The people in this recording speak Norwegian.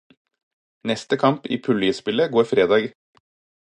Neste kamp i puljespillet går fredag.